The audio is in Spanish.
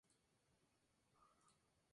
Amplió sus estudios con becas en París y Roma.